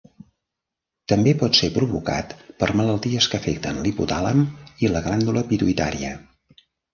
També pot ser provocat per malalties que afecten l'hipotàlem i la glàndula pituïtària.